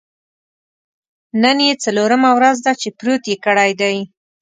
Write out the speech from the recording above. نن یې څلورمه ورځ ده چې پروت یې کړی دی.